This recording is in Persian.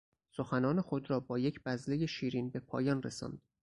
سخنان خود را با یک بذلهی شیرین به پایان رساند.